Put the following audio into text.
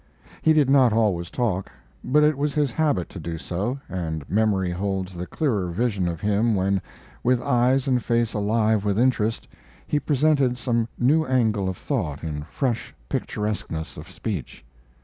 He did not always talk; but it was his habit to do so, and memory holds the clearer vision of him when, with eyes and face alive with interest, he presented some new angle of thought in fresh picturesqueness of speech.